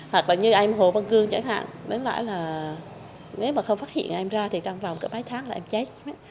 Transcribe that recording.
hoặc là như em hồ văn cương chẳng hạn mới lại là nếu mà không phát hiện em ra thì trong vòng cỡ mấy tháng là em chết